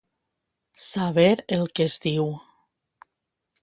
Saber el que es diu.